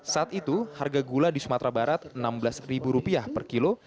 saat itu harga gula di sumatera barat rp enam belas per kilo